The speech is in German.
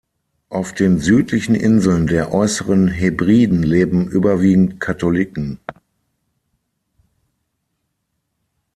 Auf den südlichen Inseln der Äußeren Hebriden leben überwiegend Katholiken.